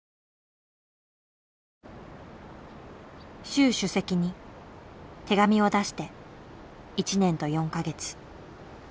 習主席に手紙を出して１年と４カ月。